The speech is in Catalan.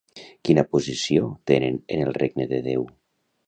Quina posició tenen en el regne de Déu?